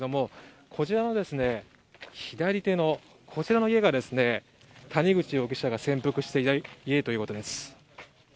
こちらの左手のこちらの家が谷口容疑者が潜伏していた家ということです。